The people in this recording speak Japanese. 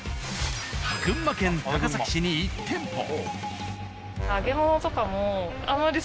群馬県高崎市に１店舗。